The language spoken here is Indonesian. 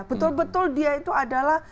betul betul dia itu adalah